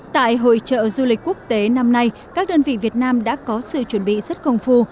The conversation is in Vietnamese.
tại hội trợ du lịch quốc tế năm nay các đơn vị việt nam đã có sự chuẩn bị rất công phu